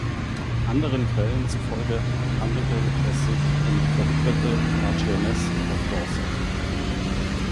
Anderen Quellen zufolge handelte es sich um die verwitwete Marchioness of Dorset.